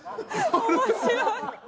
面白い。